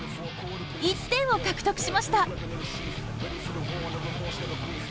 １点を獲得しました！